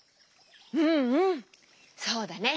うんうんそうだね。